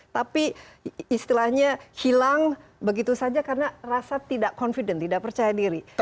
tapi istilahnya hilang begitu saja karena rasa tidak confident tidak percaya diri